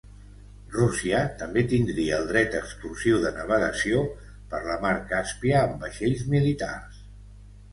Rússia també tindria el dret exclusiu de navegació per la mar Càspia amb vaixells militars.